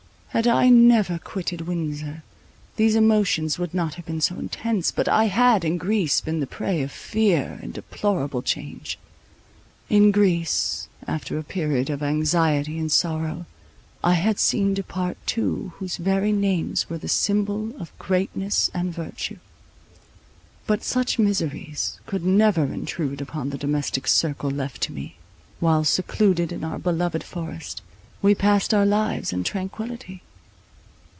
Had I never quitted Windsor, these emotions would not have been so intense; but I had in Greece been the prey of fear and deplorable change; in Greece, after a period of anxiety and sorrow, I had seen depart two, whose very names were the symbol of greatness and virtue. But such miseries could never intrude upon the domestic circle left to me, while, secluded in our beloved forest, we passed our lives in tranquillity.